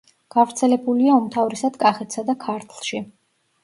გავრცელებულია უმთავრესად კახეთსა და ქართლში.